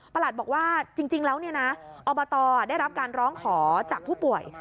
ประหลัดบอกว่าจริงแล้วเนี่ยนะอบตได้รับการร้องขอจากผู้ป่วย